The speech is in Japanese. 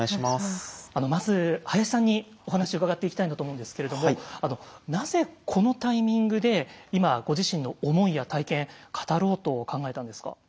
まず林さんにお話伺っていきたいなと思うんですけれどもなぜこのタイミングで今ご自身の思いや体験語ろうと考えたんですか？